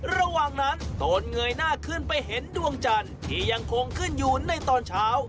ระหว่างนั้นตนเงยหน้าขึ้นไปเห็นดวงจันทร์ที่ยังคงขึ้นอยู่ในตอนเช้า